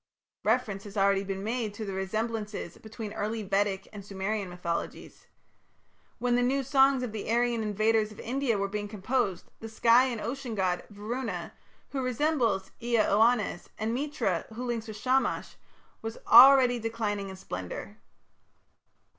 Reference has already been made to the resemblances between early Vedic and Sumerian mythologies. When the "new songs" of the Aryan invaders of India were being composed, the sky and ocean god, Varuna, who resembles Ea Oannes, and Mitra, who links with Shamash, were already declining in splendour.